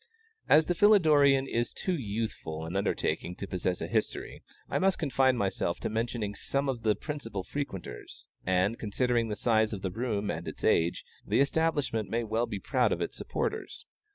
As the Philidorean is too youthful an undertaking to possess a history, I must confine myself to mentioning some of the principal frequenters, and, considering the size of the rooms and its age, the establishment may well be proud of its supporters.